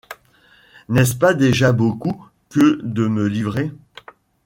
N’est-ce pas déjà beaucoup que de me livrer?